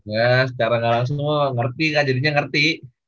gak secara gak langsung ngerti kan jadinya ngerti